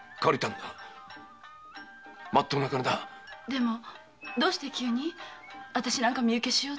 でもどうして急にあたしなんか身請けしようと？